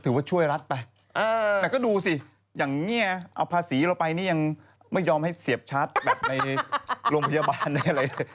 ถือว่าช่วยรัฐไปแต่ก็ดูสิอย่างนี้เอาภาษีเราไปนี่ยังไม่ยอมให้เสียบชาร์จแบบในโรงพยาบาลในอะไรเลย